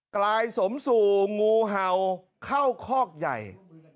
กลายสมสู่งูเห่าเข้าคอกใหญ่